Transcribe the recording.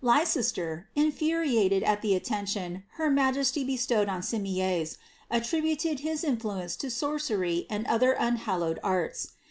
Leicester, infuriated at the attention her majesty bo 1 Simiers, attributed his influence to sorcery and other unhal* s.